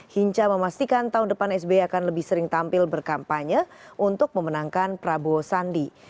hinca memastikan tahun depan sbi akan lebih sering tampil berkampanye untuk memenangkan prabowo sandi